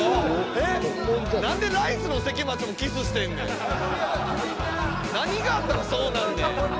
えっ何でライスの関町もキスしてんねん何があったらそうなんねん？